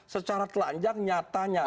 secara telanjang nyata nyata